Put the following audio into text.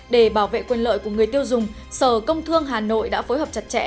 để bảo vệ quyền lợi của người tiêu dùng sở công thương hà nội đã phối hợp chặt chẽ